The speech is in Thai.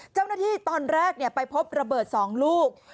เจ้าหนุที่ตอนแรกเนี่ยไปพบระเบิดสองลูก